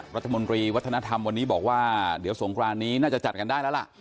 รัฐมนตรีวัฒนธรรมวันนี้บอกว่าเดี๋ยวสงครานนี้น่าจะจัดกันได้แล้วล่ะ